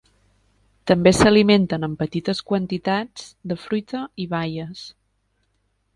També s'alimenten, en petites quantitats, de fruita i baies.